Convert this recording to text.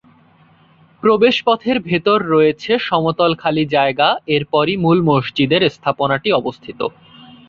প্রবেশ পথ এর ভেতরে রয়েছে সমতল খালি জায়গা এরপরই মূল মসজিদের স্থাপনাটি অবস্থিত।